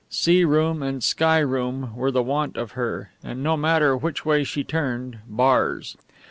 Sea room and sky room were the want of her, and no matter which way she turned bars.